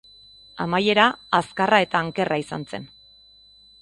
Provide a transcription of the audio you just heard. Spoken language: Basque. Amaiera azkarra eta ankerra izan zen.